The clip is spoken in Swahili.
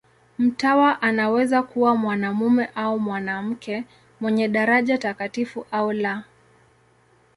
Mtawa anaweza kuwa mwanamume au mwanamke, mwenye daraja takatifu au la.